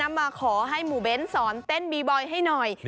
มาขอให้หมู่เบ้นสอนเต้นบีบอยให้หน่อย